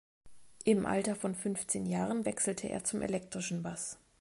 Im Alter von fünfzehn Jahren wechselte er zum elektrischen Bass.